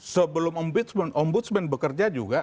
sebelum ombudsman bekerja juga